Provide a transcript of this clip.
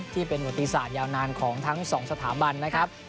ที่เป็นอุติศาสตยาวนานของทั้งสองสถาบันนะครับ